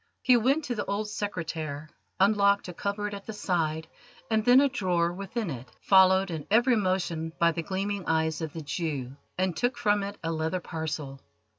He went to the old oak secretaire, unlocked a cupboard at the side, and then a drawer within it, followed in every motion by the gleaming eyes of the Jew, and took from it a leather parcel.